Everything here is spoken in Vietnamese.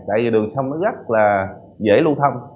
tại vì đường sông nó rất là dễ lưu thông